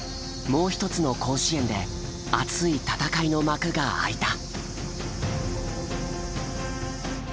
もう一つの甲子園で熱い戦いの幕が開いた。